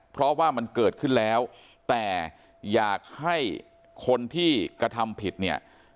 เพราะว่ามันเกิดขึ้นแล้วแต่อยากให้คนที่กระทำผิดเนี่ย